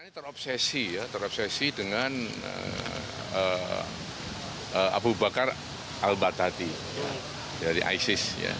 tidak terobsesi dengan abu bakar al baghdadi dari isis